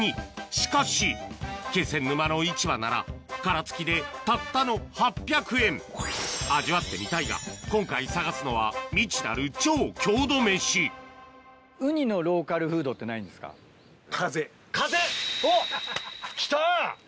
しかし気仙沼の市場なら殻付きでたったの８００円味わってみたいが今回探すのは未知なる超郷土メシきた！